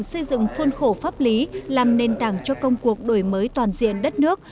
xây dựng khuôn khổ pháp lý làm nền tảng cho công cuộc đổi mới toàn diện đất nước